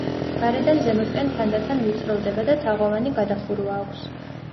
გარედან ზემოთკენ თანდათან ვიწროვდება და თაღოვანი გადახურვა აქვს.